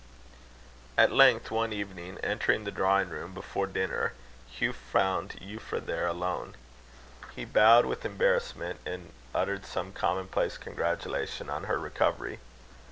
At length, one evening, entering the drawing room before dinner, Hugh found Euphra there alone. He bowed with embarrassment, and uttered some commonplace congratulation on her recovery.